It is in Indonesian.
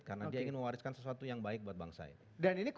karena dia ingin mewariskan sesuatu yang baik buat bangsa ini